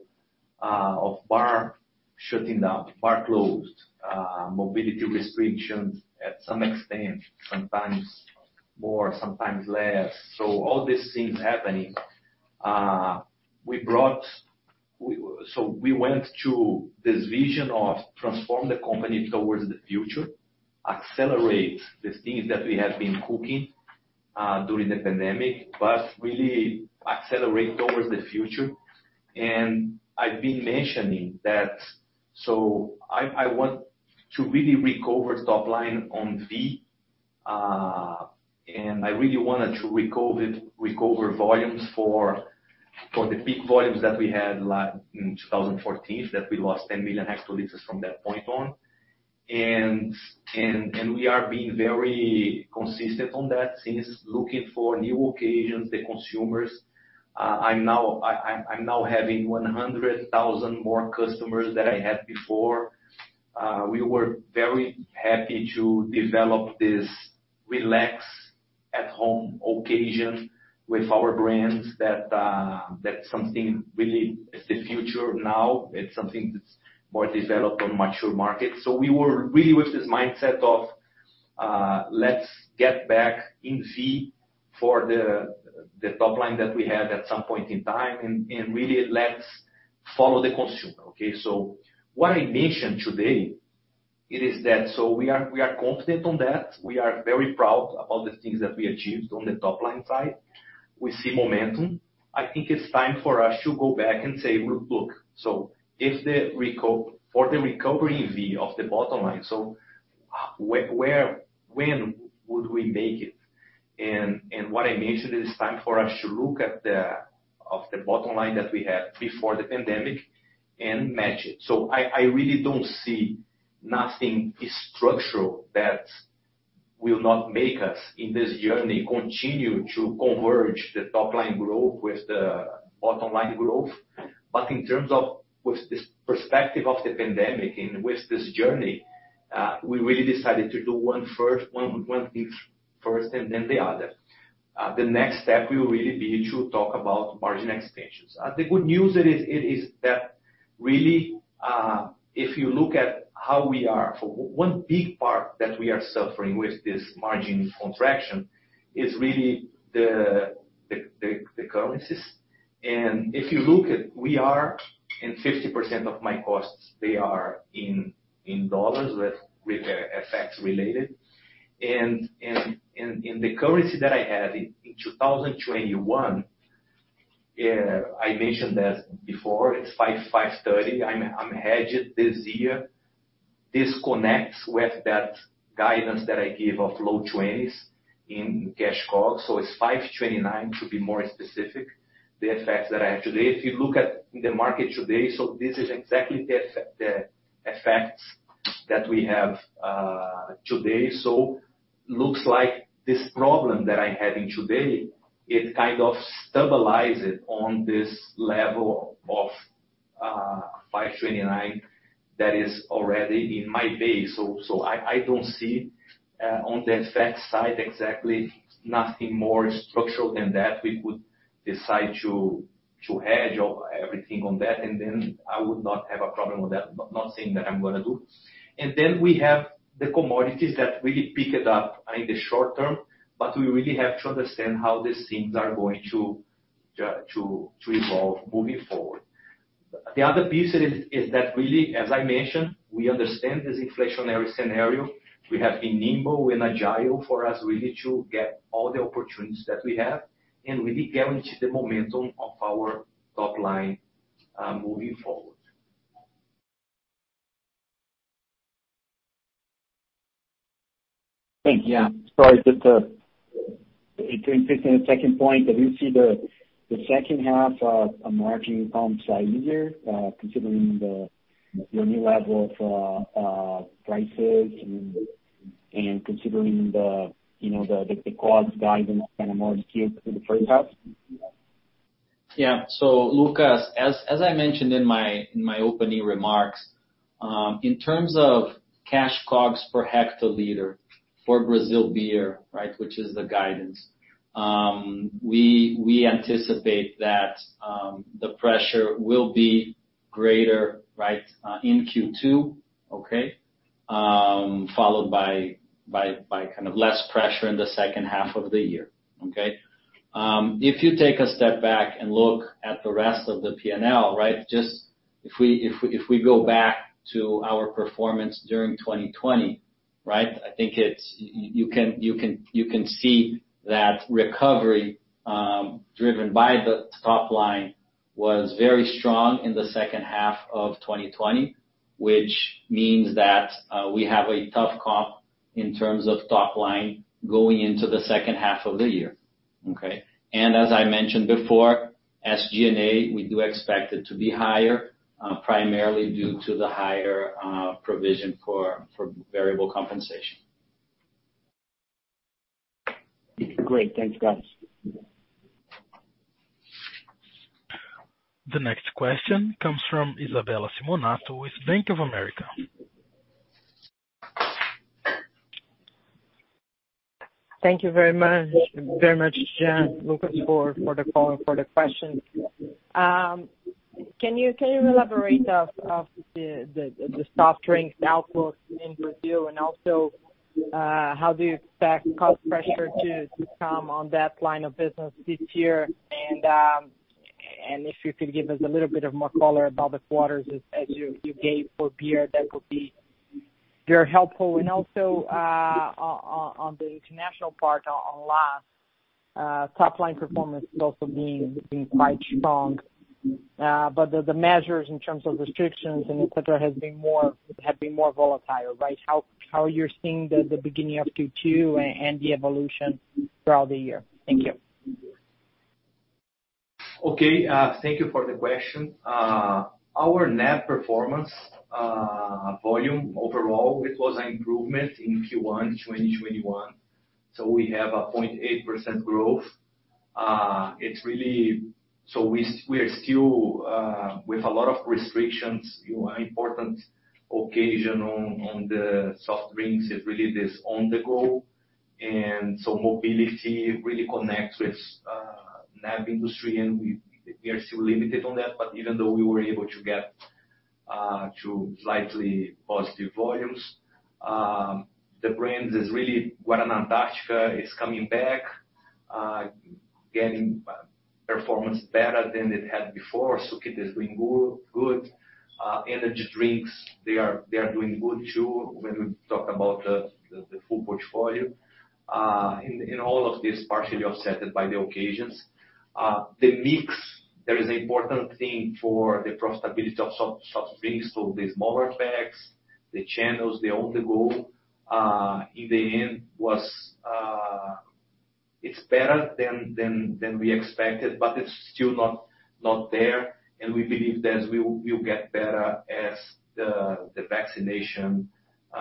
of bar shutting down, bar closed, mobility restrictions at some extent, sometimes more, sometimes less. All these things happening, so we went to this vision of transform the company towards the future, accelerate the things that we have been cooking during the pandemic, but really accelerate towards the future. I've been mentioning that, so I want to really recover top line on V, and I really wanted to recover volumes for the peak volumes that we had in 2014, that we lost 10 million hL from that point on. We are being very consistent on that since looking for new occasions, the consumers. I am now having 100,000 more customers than I had before. We were very happy to develop this relax at home occasion with our brands. That's something really, it's the future now. It's something that's more developed on mature markets. We were really with this mindset of, let's get back in V for the top line that we had at some point in time, and really let's follow the consumer. Okay? What I mentioned today, it is that so we are confident on that. We are very proud about the things that we achieved on the top-line side. We see momentum. I think it's time for us to go back and say, "Look, so for the recovery V of the bottom line. Where, when would we make it? What I mentioned, it is time for us to look at the bottom line that we had before the pandemic and match it. I really don't see nothing structural that will not make us in this journey continue to converge the top-line growth with the bottom-line growth. In terms of with this perspective of the pandemic and with this journey, we really decided to do one thing first and then the other. The next step will really be to talk about margin extensions. The good news is that really, if you look at how we are, one big part that we are suffering with this margin contraction is really the currencies. If you look at, we are in 50% of my costs, they are in dollars with FX related. The currency that I had in 2021, I mentioned that before, it's 5.30. I'm hedged this year. This connects with that guidance that I gave of low 20s in cash COGS. It's 5.29, to be more specific, the effects that I have today. If you look at the market today, this is exactly the effects that we have today. Looks like this problem that I'm having today, it kind of stabilized it on this level of 5.29 that is already in my base. I don't see on the FX side exactly nothing more structural than that. We could decide to hedge everything on that, and then I would not have a problem with that, but not saying that I'm going to do. Then we have the commodities that really picked up in the short term, but we really have to understand how these things are going to evolve moving forward. The other piece is that really, as I mentioned, we understand this inflationary scenario. We have been nimble and agile for us really to get all the opportunities that we have and really guarantee the momentum of our top line, moving forward. Thank you. Sorry, just to the second point, do you see the second half of margin comp side easier, considering the new level of prices and considering the cost guidance kind of more skewed to the first half? Lucas, as I mentioned in my opening remarks, in terms of cash COGS per hL for Brazil beer, which is the guidance, we anticipate that the pressure will be greater in Q2. Followed by kind of less pressure in the second half of the year. If you take a step back and look at the rest of the P&L. If we go back to our performance during 2020, I think you can see that recovery, driven by the top line, was very strong in the second half of 2020, which means that we have a tough comp in terms of top line going into the second half of the year. As I mentioned before, SG&A, we do expect it to be higher, primarily due to the higher provision for variable compensation. Great. Thanks, guys. The next question comes from Isabella Simonato with Bank of America. Thank you very much, Jean, Lucas, for the call and for the question. Can you elaborate of the soft drinks outlook in Brazil? Also, how do you expect cost pressure to come on that line of business this year? If you could give us a little bit of more color about the quarters as you gave for beer, that would be very helpful. Also, on the international part, on LAS, top line performance has also been quite strong. The measures in terms of restrictions and et cetera have been more volatile, right? How you're seeing the beginning of Q2 and the evolution throughout the year. Thank you. Okay. Thank you for the question. Our NAB performance, volume overall, it was an improvement in Q1 2021. We have a 0.8% growth. With a lot of restrictions, an important occasion on the soft drinks is really this on-the-go. Mobility really connects with NAB industry, and we are still limited on that. Even though we were able to get to slightly positive volumes, the brands is really Guaraná Antarctica is coming back, getting performance better than it had before. Sukita is doing good. Energy drinks, they are doing good too, when we talk about the full portfolio. All of this partially offsetted by the occasions. There is an important thing for the profitability of shops being sold, the smaller packs, the channels. The only goal in the end was it's better than we expected, but it's still not there, and we believe that we will get better as the vaccination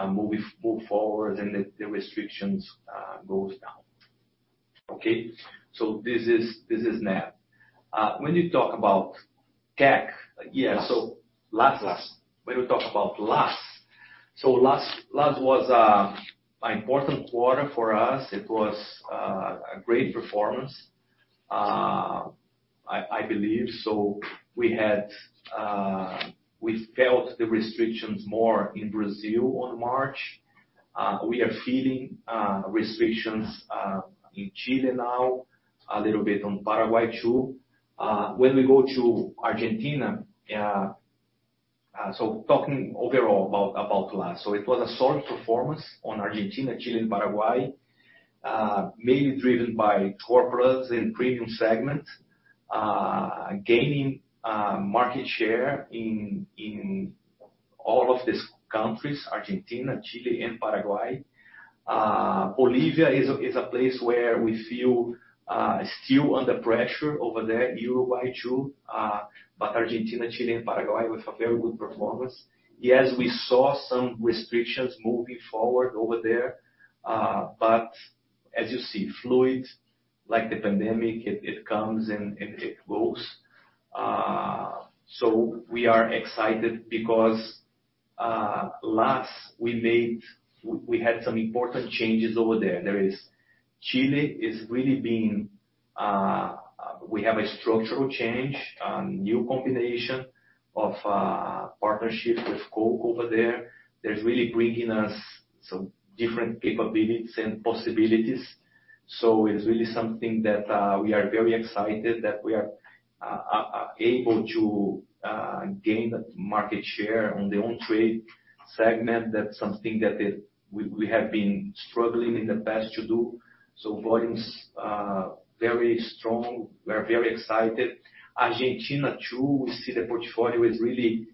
moves forward and the restrictions go down. Okay? This is NAB. When you talk about CAC. LAS. LAS. When we talk about LAS. LAS was an important quarter for us. It was a great performance. I believe so. We felt the restrictions more in Brazil on March. We are feeling restrictions in Chile now, a little bit on Paraguay, too. When we go to Argentina, talking overall about LAS, it was a solid performance on Argentina, Chile, and Paraguay. Mainly driven by corporates and premium segments, gaining market share in all of these countries, Argentina, Chile, and Paraguay. Bolivia is a place where we feel still under pressure over there, Uruguay too. Argentina, Chile, and Paraguay with a very good performance. Yes, we saw some restrictions moving forward over there. As you see, fluid, like the pandemic, it comes and it goes. We are excited because LAS, we had some important changes over there. Chile, we have a structural change, a new combination of partnership with Coke over there. That's really bringing us some different capabilities and possibilities. It's really something that we are very excited that we are able to gain market share on the own trade segment. That's something that we have been struggling in the past to do. Volumes very strong. We are very excited. Argentina, too. We see the portfolio is really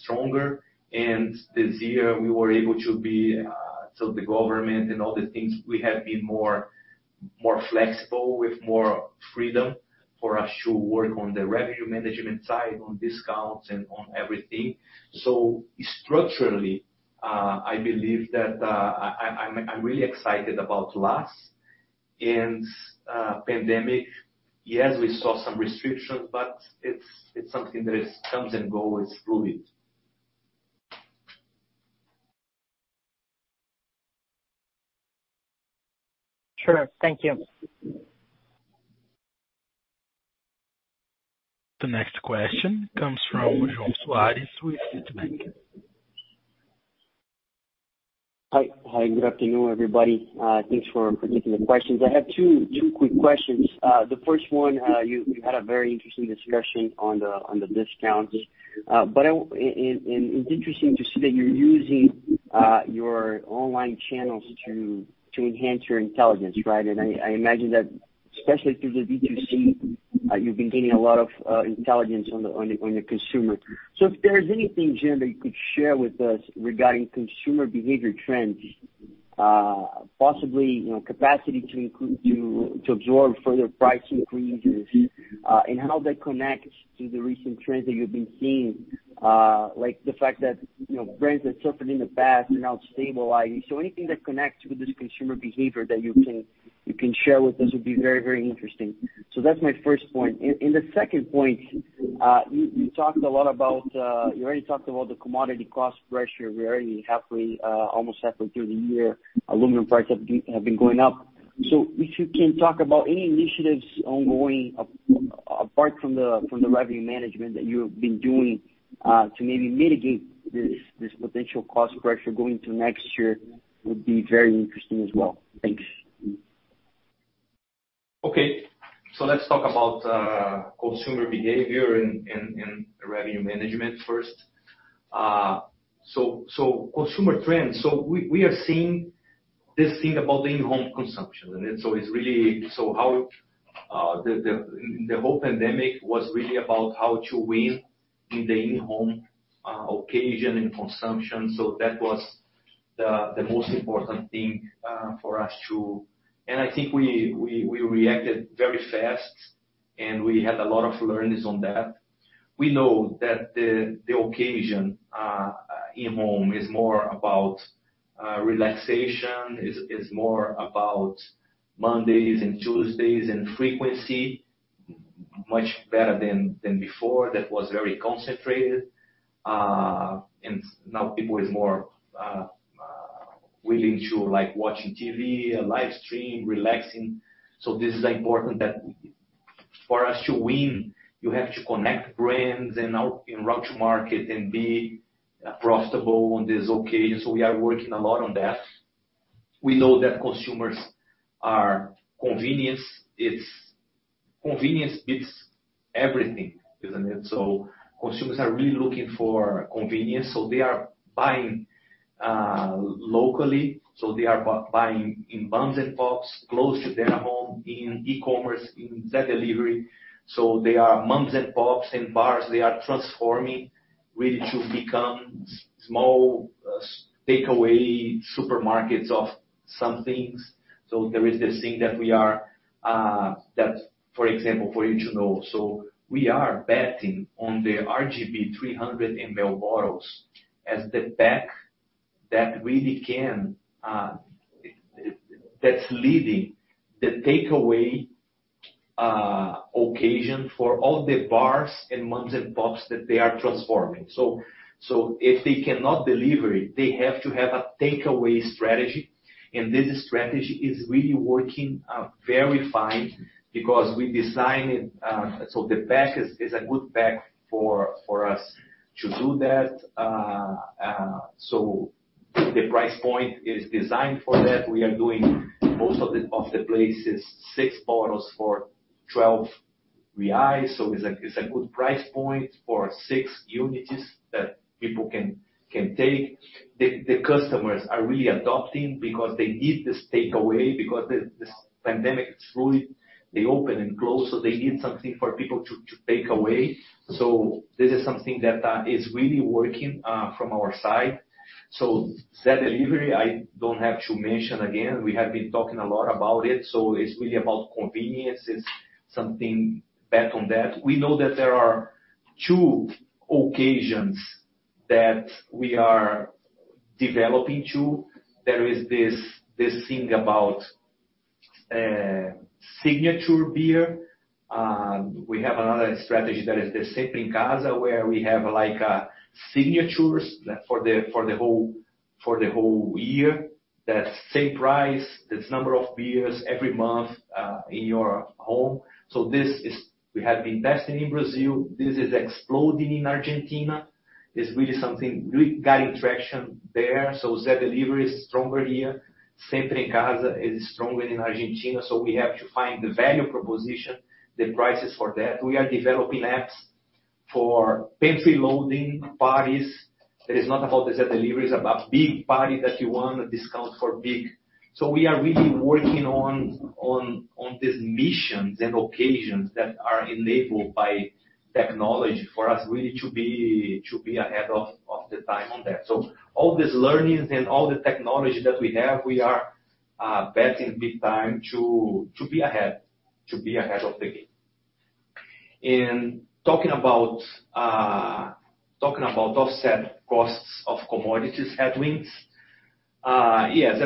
stronger. This year, we were able to be, the government and all these things, we have been more flexible with more freedom for us to work on the revenue management side, on discounts, and on everything. Structurally, I'm really excited about LAS. Pandemic, yes, we saw some restrictions, but it's something that it comes and goes. It's fluid. Sure. Thank you. The next question comes from João Soares with Citibank. Hi. Good afternoon, everybody. Thanks for taking the questions. I have two quick questions. The first one, you had a very interesting discussion on the discounts. It's interesting to see that you're using your online channels to enhance your intelligence, right? I imagine that, especially through the B2C, you've been gaining a lot of intelligence on the consumer. If there's anything, Jean, that you could share with us regarding consumer behavior trends, possibly capacity to absorb further price increases, and how that connects to the recent trends that you've been seeing. Like the fact that brands that suffered in the past are now stabilizing. Anything that connects with this consumer behavior that you can share with us would be very interesting. That's my first point. The second point, you already talked about the commodity cost pressure. We're already almost halfway through the year. Aluminum prices have been going up. If you can talk about any initiatives ongoing, apart from the revenue management that you have been doing, to maybe mitigate this potential cost pressure going to next year, would be very interesting as well. Thanks. Let's talk about consumer behavior and revenue management first. Consumer trends. We are seeing this thing about the in-home consumption. The whole pandemic was really about how to win in the in-home occasion and consumption. That was the most important thing for us, too. I think we reacted very fast, and we had a lot of learnings on that. We know that the occasion in-home is more about relaxation, is more about Mondays and Tuesdays, and frequency, much better than before. That was very concentrated. Now people is more willing to watching TV, live stream, relaxing. This is important that for us to win, you have to connect brands and out in route to market and be profitable on this occasion. We are working a lot on that. We know that consumers are convenience. It's convenience beats everything, isn't it? Consumers are really looking for convenience. They are buying locally. They are buying in moms and pops close to their home, in e-commerce, in Zé Delivery. They are moms and pops and bars. They are transforming really to become small takeaway supermarkets of some things. There is this thing that, for example, for you know. We are betting on the RGB 300 ml bottles as the pack that's leading the takeaway occasion for all the bars and moms and pops that they are transforming. If they cannot deliver it, they have to have a takeaway strategy. This strategy is really working very fine because we designed it. The pack is a good pack for us to do that. The price point is designed for that. We are doing most of the places, six bottles for 12 reais. It's a good price point for six units that people can take. The customers are really adopting because they need this takeaway, because this pandemic, it's really, they open and close, they need something for people to take away. This is something that is really working from our side. Zé Delivery, I don't have to mention again, we have been talking a lot about it. It's really about convenience, is something bet on that. We know that there are two occasions that we are developing to. There is this thing about signature beer. We have another strategy that is the Sempre Casa, where we have signatures for the whole year. That same price, that number of beers every month, in your home. This is, we have been testing in Brazil. This is exploding in Argentina, is really something really gaining traction there. Zé Delivery is stronger here. Sempre Casa is stronger in Argentina. We have to find the value proposition, the prices for that. We are developing apps for pantry loading parties. That is not about the Zé Delivery, is about big parties that you want a discount for big. We are really working on these missions and occasions that are enabled by technology for us really to be ahead of the time on that. All these learnings and all the technology that we have, we are betting big time to be ahead of the game. In talking about offset costs of commodities headwinds. Yeah,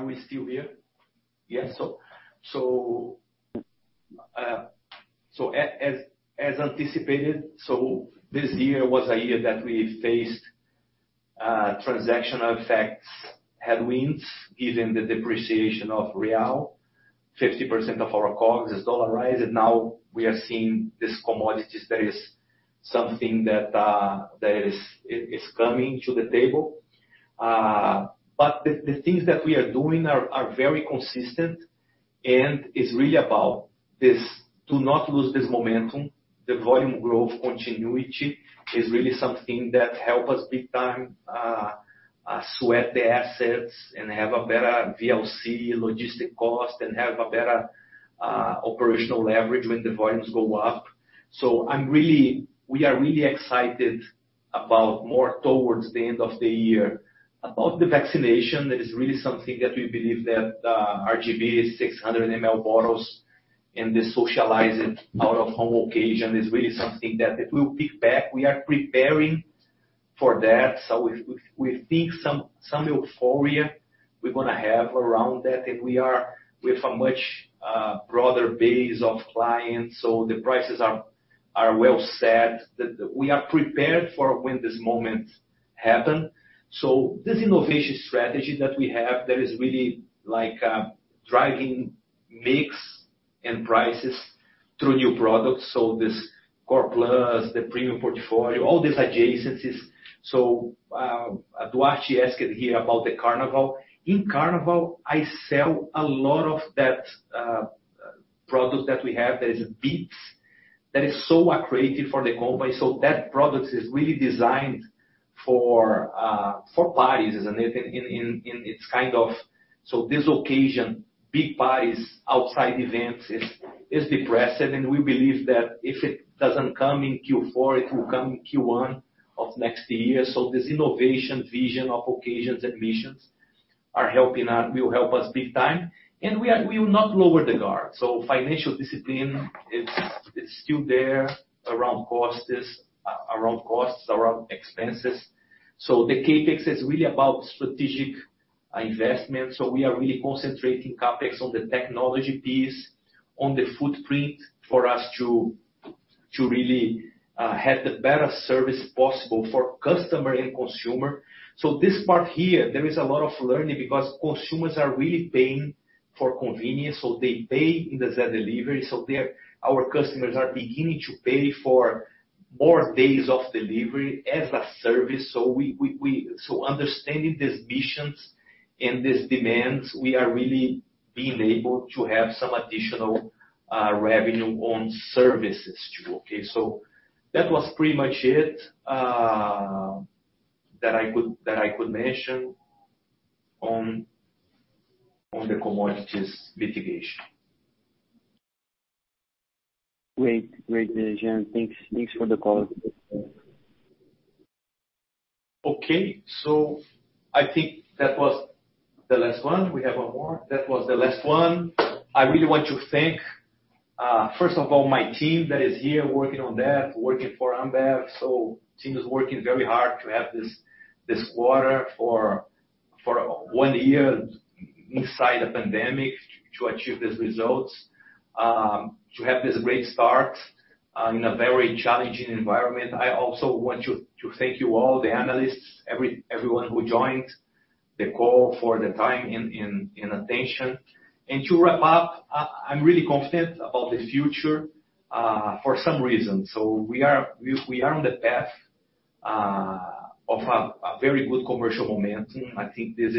are we still here? Yes. As anticipated, this year was a year that we faced transactional effects, headwinds, given the depreciation of real. 50% of our COGS is dollarized. Now we are seeing these commodities that is something that is coming to the table. The things that we are doing are very consistent, and it's really about this, to not lose this momentum. The volume growth continuity is really something that help us big time, sweat the assets and have a better VLC logistic cost, and have a better operational leverage when the volumes go up. We are really excited about more towards the end of the year. About the vaccination, that is really something that we believe that, RGB 600 ml bottles and the socializing out of home occasion is really something that it will pick back. We are preparing for that. We think some euphoria we're going to have around that. We are with a much broader base of clients. The prices are well set. We are prepared for when this moment happen. This innovation strategy that we have that is really driving mix and prices through new products. This Core Plus, the premium portfolio, all these adjacencies. Duarte asked here about the Carnival. In Carnival, I sell a lot of that, product that we have that is Beats. That is so accretive for the company. That product is really designed for parties, isn't it? This occasion, big parties, outside events is depressing, and we believe that if it doesn't come in Q4, it will come in Q1 of next year. This innovation vision of occasions and missions will help us big time. We will not lower the guard. Financial discipline, it's still there around costs, around expenses. The CapEx is really about strategic investment. We are really concentrating CapEx on the technology piece, on the footprint for us to really have the better service possible for customer and consumer. This part here, there is a lot of learning because consumers are really paying for convenience, so they pay in the Zé Delivery. Our customers are beginning to pay for more days of delivery as a service. Understanding these missions and these demands, we are really being able to have some additional revenue on services too. That was pretty much it that I could mention on the commodities mitigation. Great. Great, Jean. Thanks for the call. I think that was the last one. We have no more. That was the last one. I really want to thank, first of all, my team that is here working on that, working for Ambev. Team is working very hard to have this quarter for one year inside a pandemic to achieve these results, to have this great start in a very challenging environment. I also want to thank you all, the analysts, everyone who joined the call for the time and attention. To wrap up, I'm really confident about the future for some reason. We are on the path of a very good commercial momentum. I think this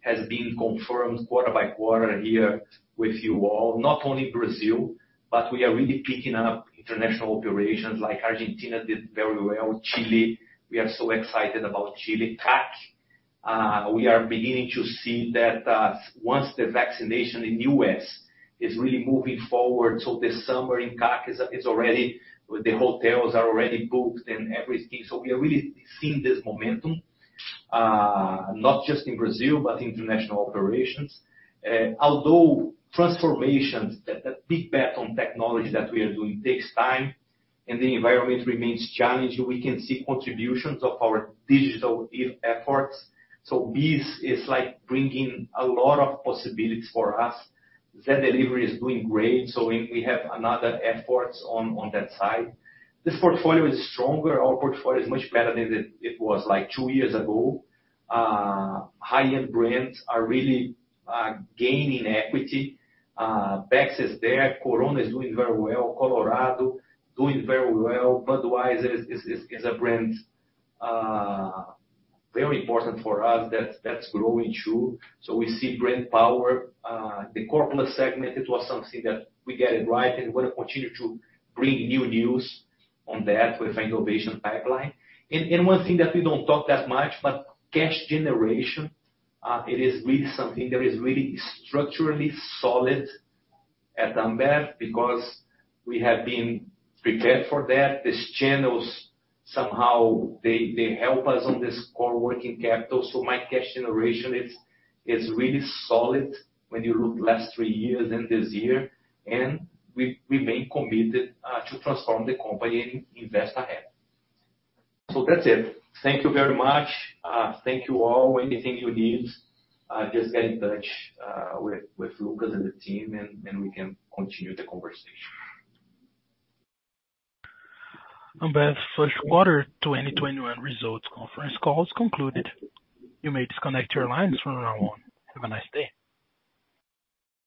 has been confirmed quarter by quarter here with you all, not only Brazil, but we are really picking up international operations, like Argentina did very well. Chile, we are so excited about Chile CAC, we are beginning to see that once the vaccination in the U.S. is really moving forward, this summer in CAC, the hotels are already booked and everything. We are really seeing this momentum, not just in Brazil, but international operations. Although transformations, that big bet on technology that we are doing takes time and the environment remains challenging. We can see contributions of our digital efforts. This is bringing a lot of possibilities for us. Zé Delivery is doing great, we have another efforts on that side. This portfolio is stronger. Our portfolio is much better than it was two years ago. High-end brands are really gaining equity. Beck's is there. Corona is doing very well. Colorado doing very well. Budweiser is a brand very important for us. That's growing too. We see brand power. The core plus segment, it was something that we get it right and we're going to continue to bring new news on that with innovation pipeline. One thing that we don't talk that much, but cash generation, it is really something that is really structurally solid at Ambev because we have been prepared for that. These channels, somehow, they help us on this core working capital. My cash generation is really solid when you look last three years and this year, and we remain committed to transform the company and invest ahead. That's it. Thank you very much. Thank you all. Anything you need, just get in touch with Lucas and the team and we can continue the conversation. Ambev first quarter 2021 results conference call is concluded. You may disconnect your lines from now on. Have a nice day.